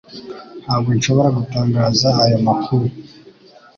Ntabwo nshobora gutangaza ayo makuru.